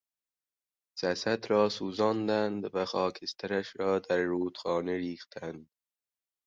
جسد را سوزاندند و خاکسترش را در رودخانه ریختند.